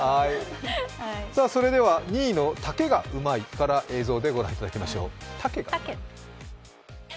それでは２位のたけが上手いから映像でご覧いただきましょう。